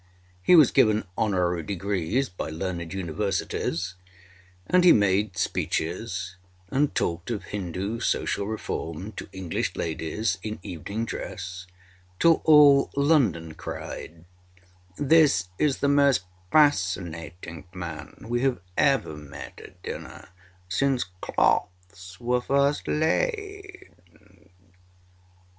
He was given honorary degrees by learned universities, and he made speeches and talked of Hindu social reform to English ladies in evening dress, till all London cried, âThis is the most fascinating man we have ever met at dinner since cloths were first laid.